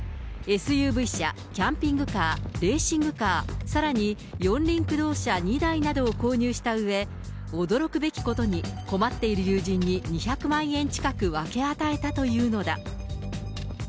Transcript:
ＳＵＶ車、キャンピングカー、レーシングカー、さらに四輪駆動車２台などを購入したうえ、驚くべきことに、困っている友人に２００万円近く分け与えたというのだ。